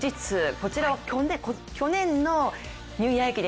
こちらは去年のニューイヤー駅伝